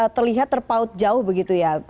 terlihat terpaut jauh begitu ya